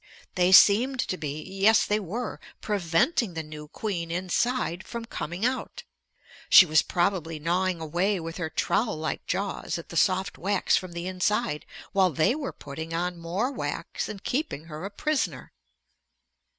They seemed to be, yes, they were, preventing the new queen inside from coming out. She was probably gnawing away with her trowel like jaws at the soft wax from the inside, while they were putting on more wax and keeping her a prisoner.